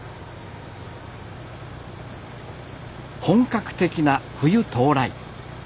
本格的な冬到来。